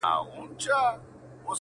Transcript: ښخېدی به یې په غوښو کي هډوکی-